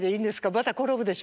また転ぶでしょ。